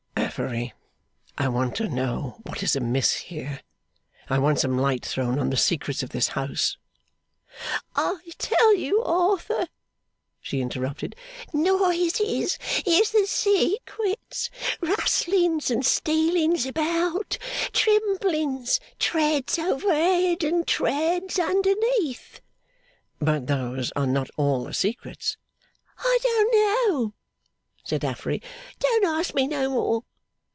'Affery, I want to know what is amiss here; I want some light thrown on the secrets of this house.' 'I tell you, Arthur,' she interrupted, 'noises is the secrets, rustlings and stealings about, tremblings, treads overhead and treads underneath.' 'But those are not all the secrets.' 'I don't know,' said Affery. 'Don't ask me no more.